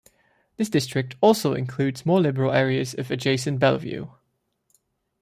This district also includes more liberal areas of adjacent Bellevue.